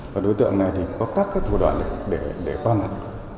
và đối tượng này thì có các thủ đoạn để qua mặt